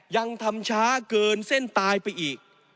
ยังทำช้าเกินเส้นตายไปอีก